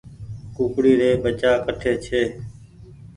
ڪُڪڙي ري ٻچا ڪٺي ڇي